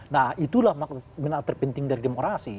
nah itulah benar terpenting dari demokrasi